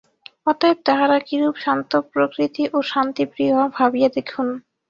অতএব তাঁহারা কিরূপ শান্তপ্রকৃতি ও শান্তিপ্রিয়, ভাবিয়া দেখুন।